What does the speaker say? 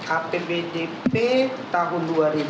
apbdp tahun dua ribu enam belas